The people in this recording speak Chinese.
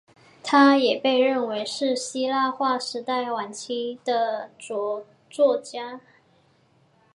他也被认为是希腊化时代晚期的着作家。